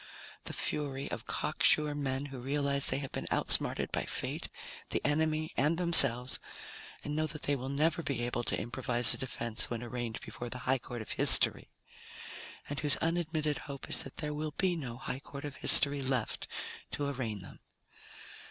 The Fury of cocksure men who realize they have been outsmarted by fate, the enemy, and themselves, and know that they will never be able to improvise a defense when arraigned before the high court of history and whose unadmitted hope is that there will be no high court of history left to arraign them.